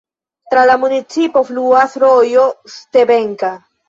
Tra la municipo fluas rojo Stebenka.